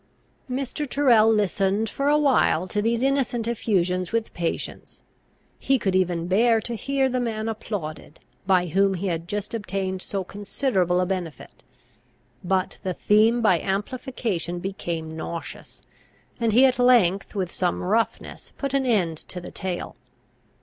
Mr. Tyrrel listened for a while to these innocent effusions with patience; he could even bear to hear the man applauded, by whom he had just obtained so considerable a benefit. But the theme by amplification became nauseous, and he at length with some roughness put an end to the tale.